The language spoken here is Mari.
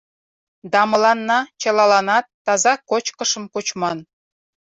Да мыланна чылаланат таза кочкышым кочман.